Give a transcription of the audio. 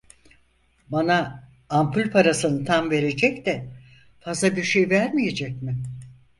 Bana ampul parasını tam verecek de fazla bir şey vermeyecek mi?